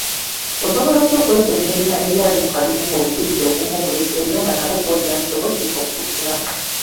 Osobola otya okwekenneenya ebyali mu kalulu ng'obujulizi obumu obuleseeyo nga nabwo kkooti yandisobodde okubutunulamu?